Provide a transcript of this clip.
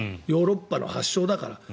ヨーロッパの発祥だから。